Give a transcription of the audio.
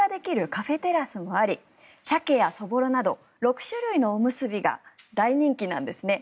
カフェテラスがありサケやそぼろなど６種類のおむすびが大人気なんですね。